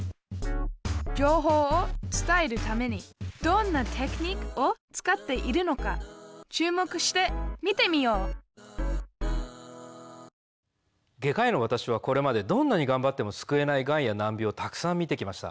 情報を伝えるためにどんなテクニックを使っているのか注目して見てみよう外科医のわたしはこれまでどんなにがんばっても救えないガンや難病をたくさん見てきました。